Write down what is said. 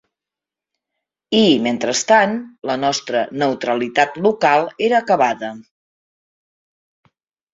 I, mentrestant, la nostra neutralitat local era acabada